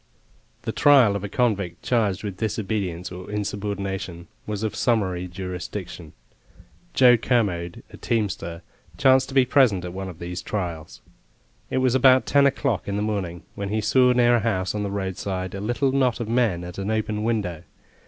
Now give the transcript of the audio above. The trial of a convict charged with disobedience or insubordination was of summary jurisdiction. Joe Kermode, a teamster, chanced to be present at one of these trials. It was about ten o'clock in the morning when he saw near a house on the roadside a little knot of men at an open window.